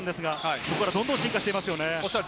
そこからどんどん進化していますね。